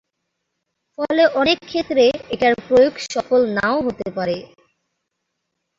ফলে অনেক ক্ষেত্রে এটার প্রয়োগ সফল নাও হতে পারে।